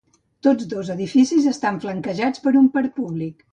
Tots dos edificis estan flanquejats per un parc públic.